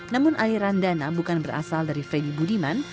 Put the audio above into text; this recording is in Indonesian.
namun aliran dana bukan berasal dari freddy budiman